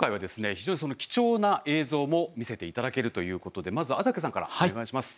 非常に貴重な映像も見せていただけるということでまず安宅さんからお願いします。